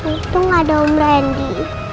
untung ada om randy